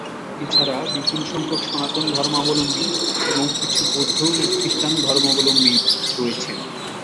এছাড়া বিপুল সংখ্যক সনাতন ধর্মালম্বী এবং কিছু বৌদ্ধ ও খ্রিস্টান ধর্মালম্বী রয়েছেন।